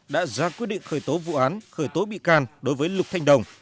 đã ra quyết định khởi tố vụ án khởi tố bị can đối với lục thanh đồng